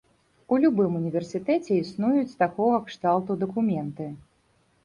У любым універсітэце існуюць такога кшталту дакументы.